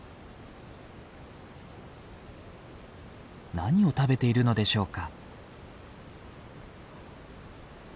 何を食べているのでしょうか？